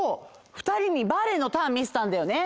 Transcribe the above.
二人にバレエのターン見せたんだよね。